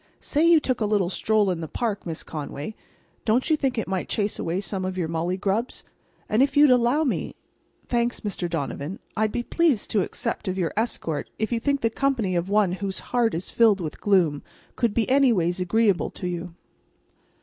Say you took a little stroll in the park, Miss Conway—don't you think it might chase away some of your mullygrubs? And if you'd allow me—" "Thanks, Mr. Donovan. I'd be pleased to accept of your escort if you think the company of one whose heart is filled with gloom could be anyways agreeable to you."